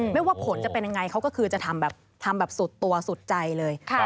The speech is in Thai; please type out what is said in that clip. ว่าผลจะเป็นยังไงเขาก็คือจะทำแบบสุดตัวสุดใจเลย